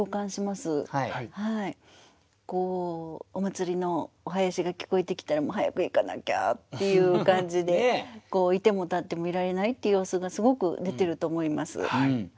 お祭りのお囃子が聞こえてきたら早く行かなきゃっていう感じでいてもたってもいられないっていう様子がすごく出てると思います。